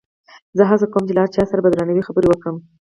زه هڅه کوم چې له هر چا سره په درناوي خبرې وکړم.